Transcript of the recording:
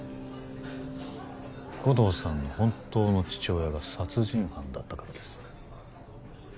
護道さんの本当の父親が殺人犯だったからです